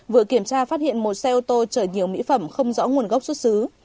vừa kiểm tra phát hiện một xe ô tô chở nhiều mỹ phẩm không rõ nguồn gốc xuất xứ